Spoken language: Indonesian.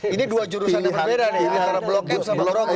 ini dua jurusan yang berbeda nih antara blok m sama rocky